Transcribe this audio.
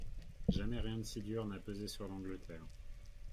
Jamais rien de si dur n’a pesé sur l’Angleterre.